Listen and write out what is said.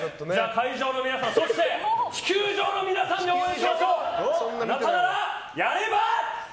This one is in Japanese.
会場の皆さんそして、地球上の皆さんで応援しましょう！